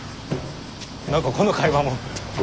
何かこの会話も。